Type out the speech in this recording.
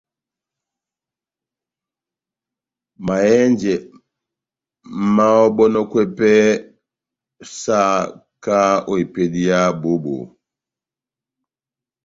Mahɛ́njɛ máháhɔbɔnɔkwɛ pɛhɛ sahakahá ó epédi yá bohó-bohó.